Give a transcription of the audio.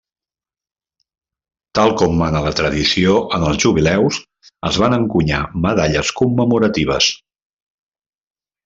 Tal com mana la tradició en els jubileus, es van encunyar medalles commemoratives.